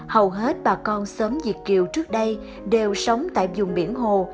hầu hết bà con sớm diệt kiều trước đây đều sống tại vùng biển hồ